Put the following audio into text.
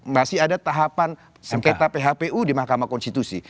masih ada tahapan sengketa phpu di mahkamah konstitusi